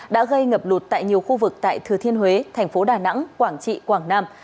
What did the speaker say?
đã gây ngập lụt tại nhiều khu vực tại thừa thiên huế thành phố đà nẵng quảng trị quảng nam